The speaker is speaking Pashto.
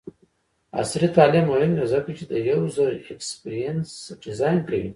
عصري تعلیم مهم دی ځکه چې د یوزر ایکسپیرینس ډیزاین کوي.